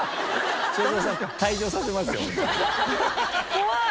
怖い。